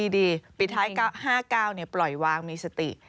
ดีปิดท้าย๕๙ปล่อยวางมีสติ